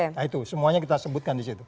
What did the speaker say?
nah itu semuanya kita sebutkan disitu